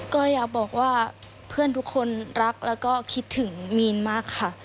ก็อยากบอกว่าเพื่อนทุกคนรักแล้วก็คิดถึงมีนมากค่ะ